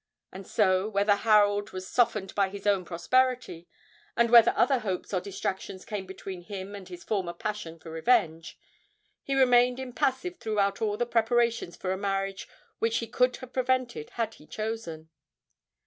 And so, whether Harold was softened by his own prosperity, and whether other hopes or distractions came between him and his former passion for revenge, he remained impassive throughout all the preparations for a marriage which he could have prevented had he chosen.